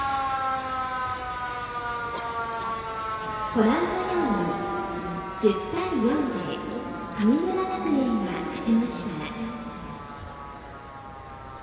ご覧のように１０対４で神村学園が勝ちました。